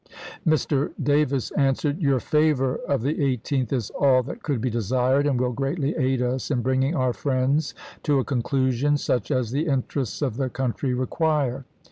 Mr. Davis answered :" Your favor of the 18th is all that could be desired, and will greatly aid us in bringing our friends to a conclusion such as the interests of the country require."